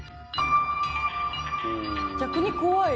逆に怖い。